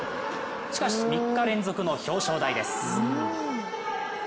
しかし３日連続の表彰台です。